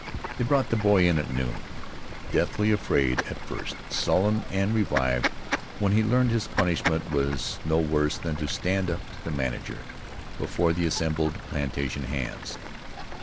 They brought the boy in at noon — deadly afraid at first, sullen and relieved when he learned his punish ment was no worse than to stand up to the manager before the assembled plantation hands.